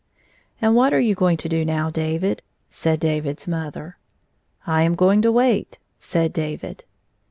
" And what are you going to do now, David 1" said David's mother. " I am going to wait," said David.